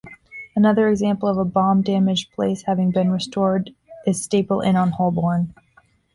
Another example of a bomb-damaged place having been restored is Staple Inn on Holborn.